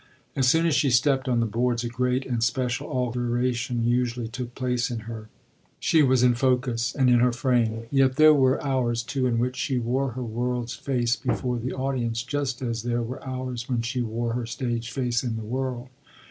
As soon as she stepped on the boards a great and special alteration usually took place in her she was in focus and in her frame; yet there were hours too in which she wore her world's face before the audience, just as there were hours when she wore her stage face in the world.